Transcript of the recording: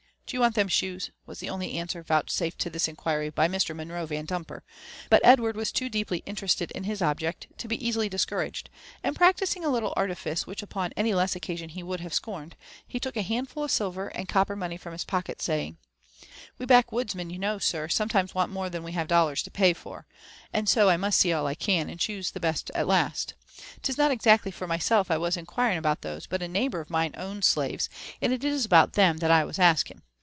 " Do you want them shoes?" was the only answer vouchsafed to ihis inquiry by Mr. Monroe Yandumper ; but Edward was too deeply talerested in his object to be easily discouraged, and practising a little artifice which upon any less occasion he would have scorned, be took « handful of silver and copper money from his pocket, saying, "We back woodsmen, you know, sir, sometimes want more than we have dollars to pay for ; and so I must see all I can, and choose for the best at last. Tis not exactly for myself I was inquiring about the shoes ; but a neighbour of mine owns slaves, and it is about them that I was asking.